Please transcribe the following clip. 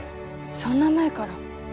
そんな前から。